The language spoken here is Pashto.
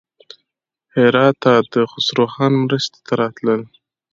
هراته د خسروخان مرستې ته راتلل.